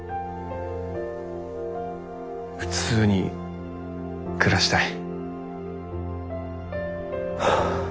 普通に暮らしたい。